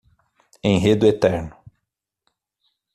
Enredo eterno